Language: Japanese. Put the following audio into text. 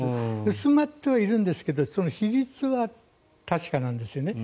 薄まっているんですが比率は確かなんですよね。